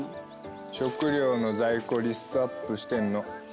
食料の在庫リストアップしてんの。